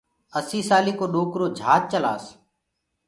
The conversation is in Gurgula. اسي سآلي ڪو ڏوڪرو جھاج چلآس